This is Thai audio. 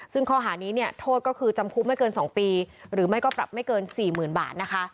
ซึ่งข้อหานี้เนี่ยโทษก็คือจำคุกไม่เกิน๒ปีหรือไม่ก็ปรับไม่เกิน๔๐๐๐บาทนะคะ